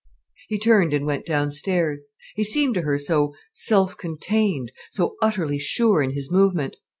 He turned and went downstairs. He seemed to her so self contained, so utterly sure in his movement.